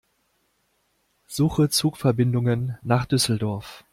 Suche Zugverbindungen nach Düsseldorf.